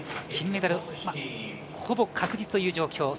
金メダルはほぼ確実という状況。